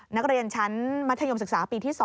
นักเรียนชั้นมัธยมศึกษาปีที่๒